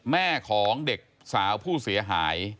แม่ของเด็กสาวผู้เสียหาย